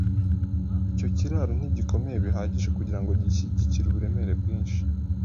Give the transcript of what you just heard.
Icyo kiraro ntigikomeye bihagije kugirango gishyigikire uburemere bwinshi .